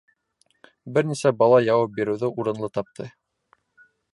Бер нисә бала яуап биреүҙе урынлы тапты: